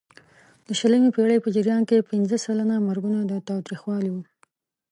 د شلمې پېړۍ په جریان کې پینځه سلنه مرګونه د تاوتریخوالي وو.